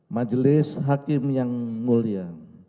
majelis hakim yang mulia